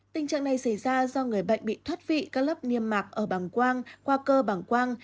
tình trạng này xảy ra do người bệnh bị thoát vị các lớp niêm mạc ở bảng quang qua cơ bằng quang